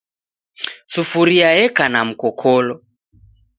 Sufuria yeka na mkokolo.